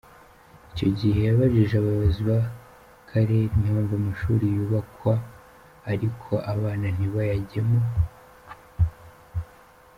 Icyo gihe yabajije abayobozi b’akarere impamvu amashuri yubakwa ariko abana ntibayajyemo.